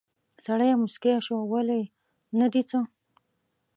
سړی موسکی شو: ولې، نه دي څه؟